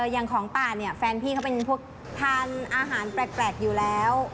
อย่างของป่าเนี่ยแฟนพี่เขาเป็นพวกทานอาหารแปลกอยู่แล้ว